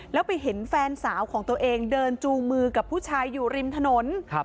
แล้วไปเห็นแฟนสาวของตัวเองเดินจูงมือกับผู้ชายอยู่ริมถนน